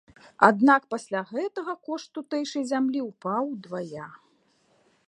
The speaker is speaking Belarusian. Аднак пасля гэтага кошт тутэйшай зямлі ўпаў удвая.